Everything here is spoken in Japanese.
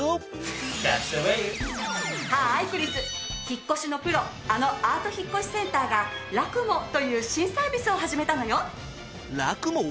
引っ越しのプロあのアート引越センターが「ラクモ」という新サービスを始めたのよ。